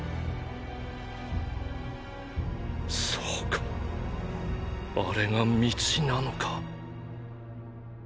そうかあれが「道」なのか。